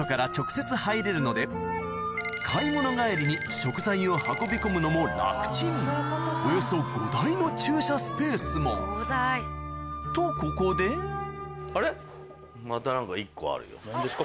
買い物帰りに食材を運び込むのも楽チンおよそ５台の駐車スペースもとここで何ですか？